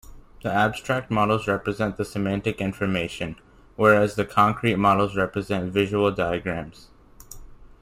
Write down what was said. The abstract models represent the semantic information, whereas the concrete models represent visual diagrams.